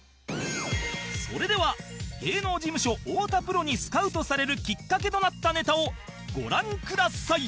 それでは芸能事務所太田プロにスカウトされるきっかけとなったネタをご覧ください